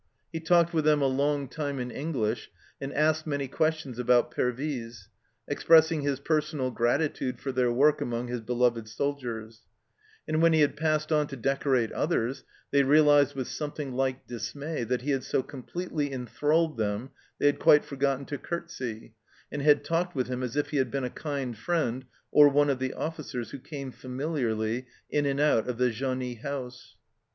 He talked with them a long time in English, and asked many questions about Pervyse, expressing his personal gratitude for their work among his beloved soldiers ; and when he had passed on to decorate others, they realized with something like dismay that he had so completely enthralled them they had quite forgotten to curtsey, and had talked with him as if he had been a kind friend or one of the officers who came familiarly in and out of the genie house.